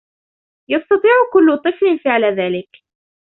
يستطيع كل طفل فعل ذلك.